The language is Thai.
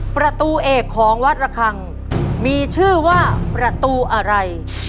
ประตูเอกของวัดระคังมีชื่อว่าประตูอะไร